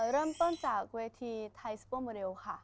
เริ่มต้นจากเวทีไทยซุปเปอร์โมเรลค่ะ